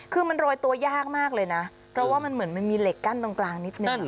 คือมันโรยตัวยากมากเลยนะเพราะว่ามันเหมือนมันมีเหล็กกั้นตรงกลางนิดนึง